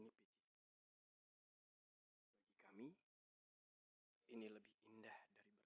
kami ini lebih indah